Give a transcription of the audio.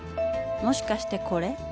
もしかしてこれ？